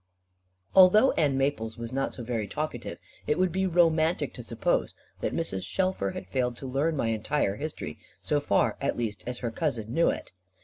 Although Ann Maples was not so very talkative, it would be romantic to suppose that Mrs. Shelfer had failed to learn my entire history, so far at least as her cousin knew it.